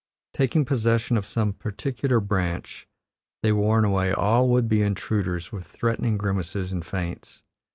Taking possession of some particular branch, they warn away all would be intruders with threatening grimaces and feints.